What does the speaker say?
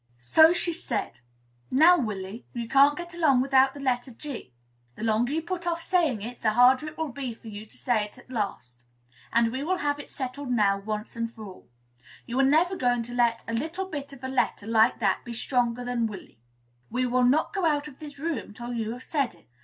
So she said, "Now, Willy, you can't get along without the letter G. The longer you put off saying it, the harder it will be for you to say it at last; and we will have it settled now, once for all. You are never going to let a little bit of a letter like that be stronger than Willy. We will not go out of this room till you have said it."